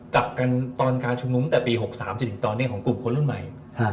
กลับกันตอนการชุมนุมตั้งแต่ปี๖๓จนถึงตอนนี้ของกลุ่มคนรุ่นใหม่